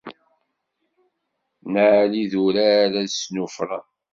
Nnal idurar, ad snufṛen!